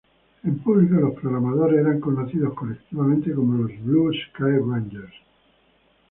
En público, los programadores eran conocidos colectivamente como los "Blue Sky Rangers".